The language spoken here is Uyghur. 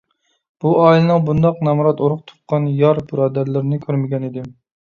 بۇ ئائىلىنىڭ بۇنداق نامرات ئۇرۇق - تۇغقان، يار - بۇرادەرلىرىنى كۆرمىگەنىدىم.